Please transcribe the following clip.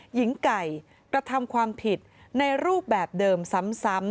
หญิงไก่กระทำความผิดในรูปแบบเดิมซ้ำ